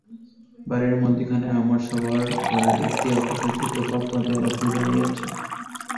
বাড়ির মধ্যিখানে আমার শোবার ঘরের একটি অপেক্ষাকৃত পাতলা দেয়াল শুধু দাঁড়িয়ে আছে।